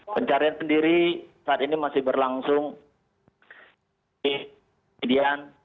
pencarian sendiri saat ini masih berlangsung di median